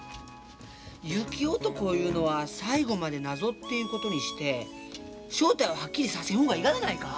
雪男いうのは最後まで謎っていうことにして正体をはっきりさせん方がいいがでないか？